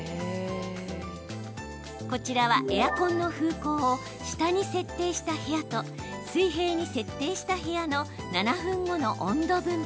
こちらはエアコンの風向を下に設定した部屋と水平に設定した部屋の７分後の温度分布。